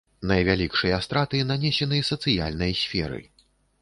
Найвялікшыя страты нанесены сацыяльнай сферы.